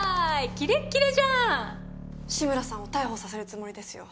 キレッキレじゃん志村さんを逮捕させるつもりですよ